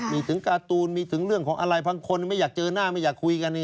มีถึงการ์ตูนมีถึงเรื่องของอะไรบางคนไม่อยากเจอหน้าไม่อยากคุยกัน